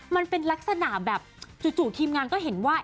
มันเป็นลักษณะแบบจู่ทีมงานก็เห็นว่า